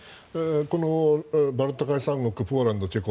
このバルト３国、ポーランドチェコ。